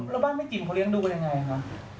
แล้วบ้านแม่จิ๋มเขาเลี้ยงดูกันยังไงคะ